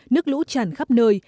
nước lũ tràn khắp nơi